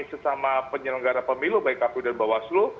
sesama penyelenggara pemilu baik pak wuy dan mbak waslu